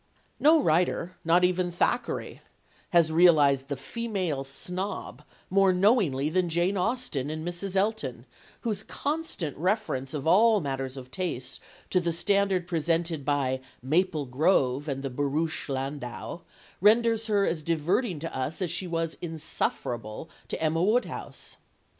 No writer not even Thackeray has realized the female snob more knowingly than Jane Austen in Mrs. Elton, whose constant reference of all matters of taste to the standard presented by "Maple Grove" and the "barouche landau" renders her as diverting to us as she was insufferable to Emma Woodhouse.